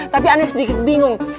tapi aneh sedikit bingung